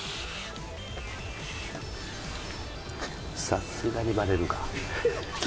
さすがにバレるか。